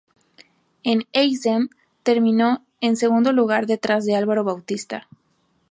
En Assen, terminó en segundo lugar detrás de Álvaro Bautista.